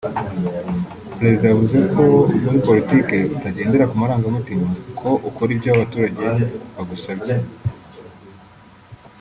Perezida yavuze ko muri politiki utagendera ku marangamutima ; ko ukora icyo abaturage bagusabye